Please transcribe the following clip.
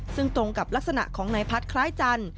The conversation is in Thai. ซึ่งตรงกับลักษณะของนายพัฒน์คล้ายจันทร์